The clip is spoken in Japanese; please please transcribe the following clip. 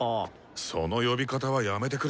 その呼び方はやめてくれ。